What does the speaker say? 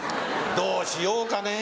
どうしようかね。